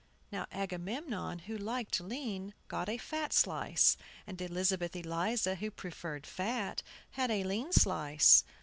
Now Agamemnon, who liked lean, got a fat slice; and Elizabeth Eliza, who preferred fat, had a lean slice.